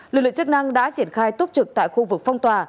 lực lượng chức năng đã diễn khai tốt trực tại khu vực phong tỏa